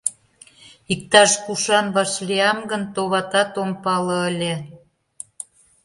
Иктаж-кушан вашлиям гын, товатат, ом пале ыле.